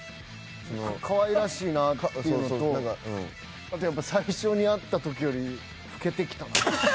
可愛らしいなっていうのとあとやっぱり最初に会った時より老けてきたな。